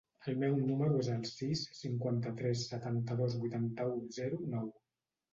El meu número es el sis, cinquanta-tres, setanta-dos, vuitanta-u, zero, nou.